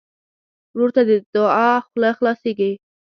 ورور ته د دعا خوله خلاصيږي.